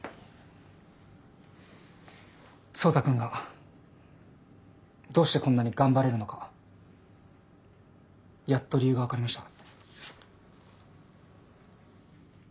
走太君がどうしてこんなに頑張れるのかやっと理由が分かりました。